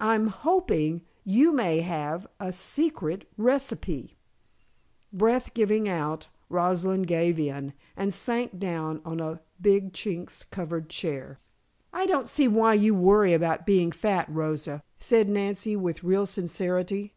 I'm hoping you may have a secret recipe " Breath giving out, Rosalind gave in, and sank down on a big chintz covered chair. "I don't see why you worry about being fat, Rosa," said Nancy with real sincerity.